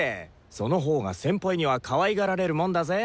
そのほうが先輩にはかわいがられるもんだぜ。